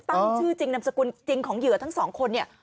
ตั้งชื่อจริงนามสกุลจริงของเหยือทั้ง๒คน